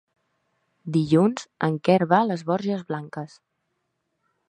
Dilluns en Quer va a les Borges Blanques.